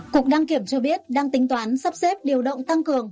cục đăng kiểm cho biết đang tính toán sắp xếp điều động tăng cường